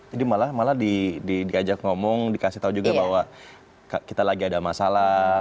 jadi malah diajak ngomong dikasih tau juga bahwa kita lagi ada masalah